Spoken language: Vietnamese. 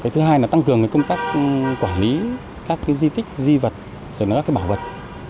thứ hai là tăng cường công tác quản lý các di tích di vật các bảo vật